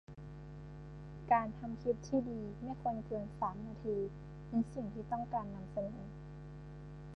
การทำคลิปที่ดีไม่ควรเกิน สาม นาทีเน้นสิ่งที่ต้องการนำเสนอ